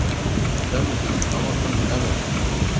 Amos, আমার নাম Amos.